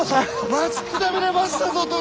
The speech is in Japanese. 待ちくたびれましたぞ殿！